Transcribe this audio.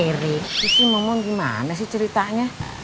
eri itu sih ngomong gimana sih ceritanya